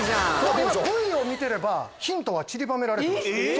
今のＶＴＲを見てればヒントちりばめられてました。